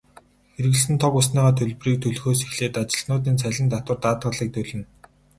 Хэрэглэсэн тог, усныхаа төлбөрийг төлөхөөс эхлээд ажилтнуудын цалин, татвар, даатгалыг төлнө.